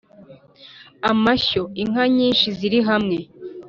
amashyo:inka nyinshi ziri hamwe